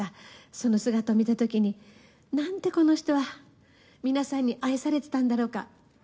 その姿を見たときに、なんてこの人は、皆さんに愛されてたんだろうか。